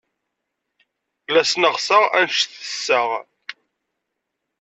La sneɣseɣ anect tesseɣ.